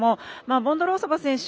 ボンドロウソバ選手